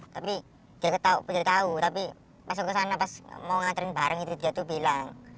tapi dia tahu tapi pas mau ngantriin bareng itu dia bilang